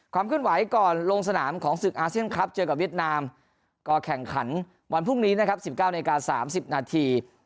ขึ้นไหวก่อนลงสนามของศึกอาเซียนคลับเจอกับเวียดนามก็แข่งขันวันพรุ่งนี้นะครับ๑๙นาที๓๐นาที